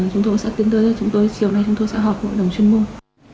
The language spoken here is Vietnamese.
chúng tôi sẽ tiến tới chiều nay chúng tôi sẽ họp với hội đồng chuyên môn